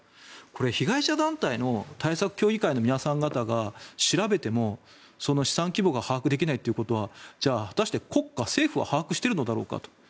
これ、被害者団体の対策協議会の皆さん方が調べてもその資産規模が把握できないということはじゃあ、果たして国家、政府は把握しているのだろうかと。